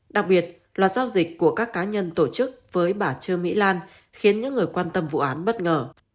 đặc biệt loạt giao dịch của các cá nhân tổ chức với bà trương mỹ lan khiến những người quan tâm vụ án bất ngờ